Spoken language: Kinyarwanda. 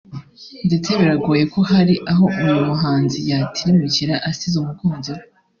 ndetse biragoye ko hari aho uyu muhanzi yatirimukira asize umukunzi we